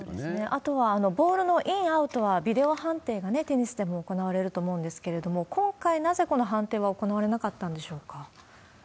あとはボールのイン、アウトはビデオ判定がテニスでも行われると思うんですけれども、今回、なぜこの判定が行われなかったんでしょうか？